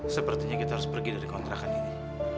sepertinya kita harus pergi dari kontrakan ini